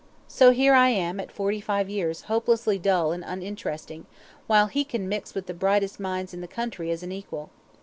So here I am, at forty five years, hopelessly dull and uninteresting, while he can mix with the brightest minds in the country as an equal.